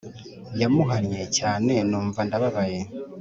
Yamuhannye cyane numva ndababaye